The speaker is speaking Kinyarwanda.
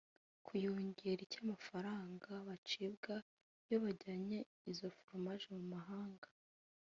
kuyongeraho icy’amafaranga bacibwa iyo bajyanye izo foromaje mu mahanga